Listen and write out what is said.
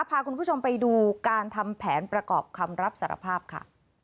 พาคุณผู้ชมไปดูการทำแผนประกอบคำรับสารภาพค่ะ